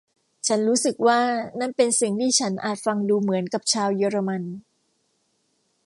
ฉันรู้สึกว่านั่นเป็นสิ่งที่ฉันอาจฟังดูเหมือนกับชาวเยอรมัน